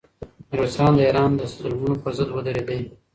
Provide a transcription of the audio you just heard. میرویس خان د ایران د ظلمونو پر ضد ودرېدی.